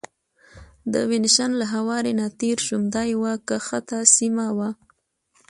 د وینیشن له هوارې نه تېر شوم، دا یوه کښته سیمه وه.